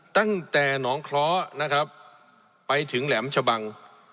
ตั้งแต่หนองคล้อนะครับไปถึงแหลมชะบัง